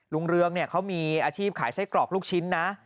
เรืองเขามีอาชีพขายไส้กรอกลูกชิ้นนะ